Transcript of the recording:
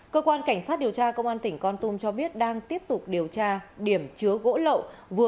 cơ quan cảnh sát điều tra công an tỉnh con tum cho biết đang tiếp tục điều tra điểm chứa gỗ lậu